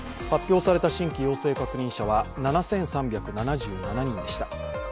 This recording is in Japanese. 発表された新規陽性確認者は７３７７人でした。